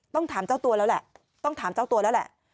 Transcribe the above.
ต้องถามเจ้าตัวแล้วแหละต้องถามเจ้าตัวแล้วแหละ